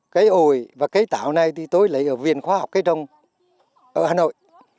cây ổi và cây tảo này thì tôi lấy ở viện khoa học cây đông ở hà nội